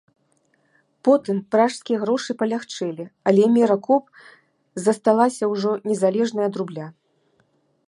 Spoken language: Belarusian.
Потым пражскія грошы палягчэлі, але мера коп засталася, ужо незалежная ад рубля.